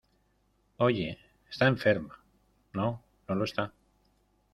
¡ Oye! ¡ está enferma !¡ no, no lo está !